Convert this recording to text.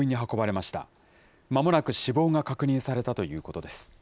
まもなく死亡が確認されたということです。